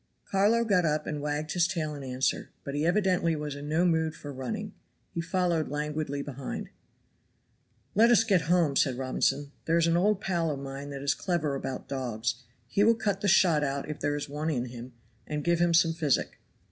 Carlo got up and wagged his tail in answer, but he evidently was in no mood for running; he followed languidly behind. "Let us get home," said Robinson; "there is an old pal of mine that is clever about dogs, he will cut the shot out if there is one in him, and give him some physic."